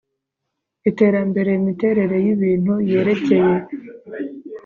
iterambere imiterere y ibintu yerekeye